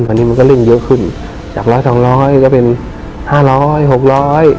ตอนนี้มันก็เริ่มเยอะขึ้นจากร้อยสองร้อยก็เป็นห้าร้อยหกร้อย